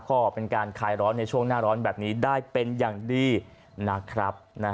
ก็เป็นการคลายร้อนในช่วงหน้าร้อนแบบนี้ได้เป็นอย่างดีนะครับ